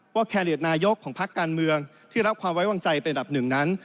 แคนเดตนายกของพักการเมืองที่รับความไว้วางใจเป็นอันดับหนึ่งนั้น